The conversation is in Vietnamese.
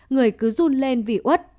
người cứ run lên vì út